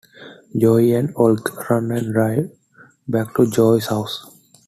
Joey and Oleg run and drive back to Joey's house.